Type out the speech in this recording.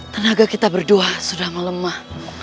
tenaga kita berdua sudah melemah